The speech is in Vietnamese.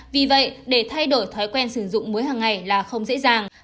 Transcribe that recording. vì vậy để thay đổi thói quen sử dụng muối hàng ngày là không dễ dàng